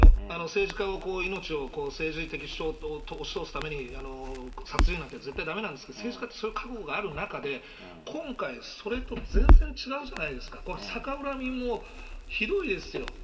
政治家をこう、命を、政治的主張を押し通すために、殺人なんて絶対だめなんですけど、政治家ってそういう覚悟がある中で、今回、それと全然違うじゃないですか、逆恨みもひどいですよ。